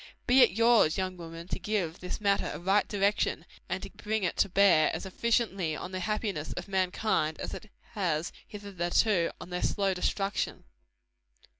Be it yours, young women, to give this matter a right direction, and to bring it to bear as efficiently on the happiness of mankind, as it has hitherto on their slow destruction.